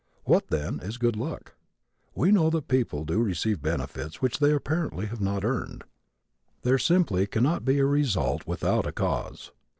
What then is good luck? We know that people do receive benefits which they apparently have not earned. There simply cannot be a result without a cause.